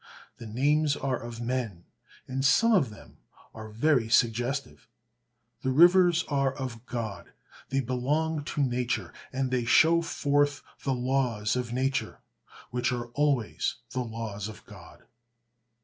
The names are of men, and some of them are very suggestive. The rivers are of God. They belong to nature, and they show forth the laws of nature, which are always the laws of God.